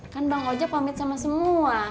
kan bang ojek pamit sama semua